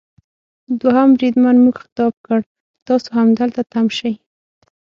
دوهم بریدمن موږ مخاطب کړ: تاسو همدلته تم شئ.